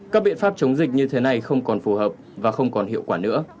các biện pháp chống dịch như thế này không còn phù hợp và không còn hiệu quả nữa